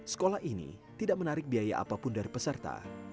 sekolah ini tidak menarik biaya apapun dari peserta